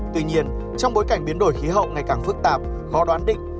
tuy nhiên trong bối cảnh biến đổi khí hậu ngày càng phức tạp khó đoán định